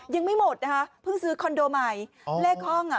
ยังไม่หมดนะคะเพิ่งซื้อคอนโดใหม่เลขห้องอ่ะ